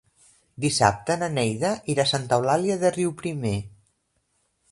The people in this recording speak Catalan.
Dissabte na Neida irà a Santa Eulàlia de Riuprimer.